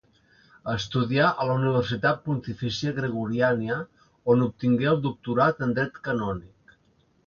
Estudià a la Universitat Pontifícia Gregoriana, on obtingué el Doctorat en Dret Canònic.